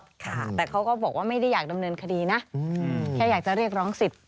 แต่เขาก็บอกว่าไม่ได้อยากดำเนินคดีนะแค่อยากจะเรียกร้องสิทธิ